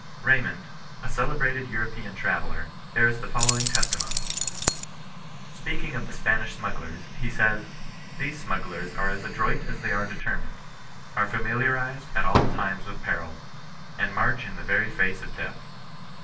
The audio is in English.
Raymond, a celebrated European traveller, bears the following testimony :— Speaking of the Spanish smugglers, he says :" These smugglers are as adroit as they are determined, are familiarized at all times with peril, and march in the very face of death.